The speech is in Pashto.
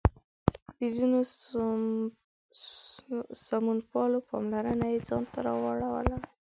د ځینو سمونپالو پاملرنه یې ځان ته راواړوله.